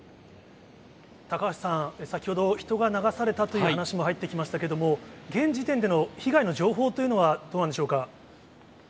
高橋さん、先ほど人が流されたという話も入ってきましたけれども、現時点での被害の情報というのはどうなんでしょうか。